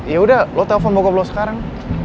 ya udah lo telpon bokap lo sekarang